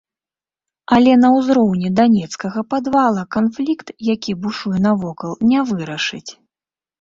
Але на ўзроўні данецкага падвала канфлікт, які бушуе навокал, не вырашыць.